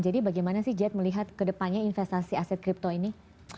jadi bagaimana sih jad melihat ke depannya investasi aset crypto ini